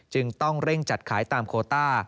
จึงต้องเร่งจัดขายตามโคต้า